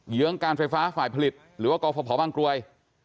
ื้องการไฟฟ้าฝ่ายผลิตหรือว่ากรฟภบางกรวย